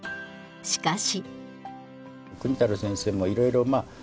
しかし。